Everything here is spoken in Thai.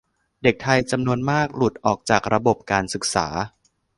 เด็กไทยจำนวนมากหลุดออกจากระบบการศึกษา